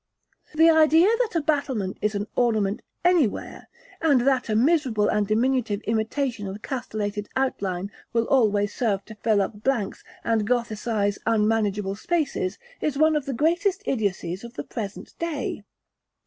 The idea that a battlement is an ornament anywhere, and that a miserable and diminutive imitation of castellated outline will always serve to fill up blanks and Gothicise unmanageable spaces, is one of the great idiocies of the present day.